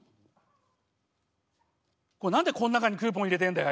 これ何でこん中にクーポン入れてんだよ